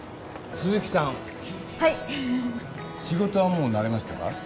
鈴木さんはい仕事はもう慣れましたか？